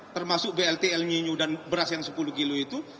termasuk blt el nyi nyu dan beras yang sepuluh kg itu